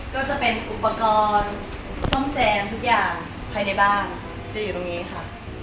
ก็จะเป็นอุปกรณ์ซ่อมแซมทุกอย่างภายในบ้านจะอยู่ตรงนี้ค่ะ